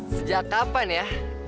sejak kapan ya